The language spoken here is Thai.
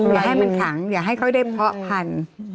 อย่าให้มันขังอย่าให้เขาได้เพาะพันธุ์